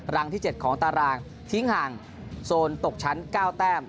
รังที่๗ของตารางทิ้งห่างโซนตกชั้น๙แต้ม